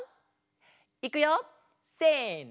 いくよせの！